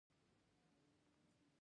چې ور ټوپ مې کړل، پر دستګیر باندې مې.